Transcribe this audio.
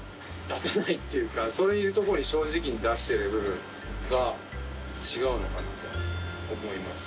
そういうとこに正直に出してる部分が違うのかなと思います。